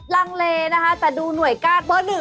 ลังเลนะคะแต่ดูหน่วยการเบอร์๑